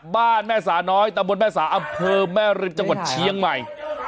บ้านแม่สาน้อยตำบลแม่สาอำเภอแม่ริมจังหวัดเชียงใหม่